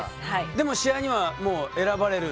でも試合にはもう選ばれる？